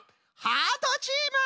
ハートチーム！